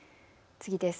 次です。